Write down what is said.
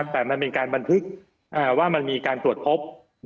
แต่มันเป็นการบันทึกว่ามันมีการตรวจพบ